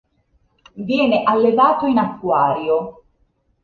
Viene allevato in acquario.